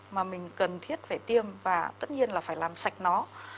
mà mình cần thiết phải tiêm và tất nhiên là phải làm sạch nó